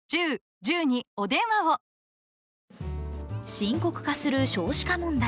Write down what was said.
深刻化する少子化問題。